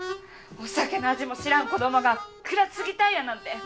お酒の味も知らん子供が蔵継ぎたいやなんて。